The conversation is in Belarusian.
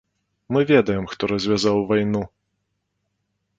Мы ведаем, хто развязаў вайну.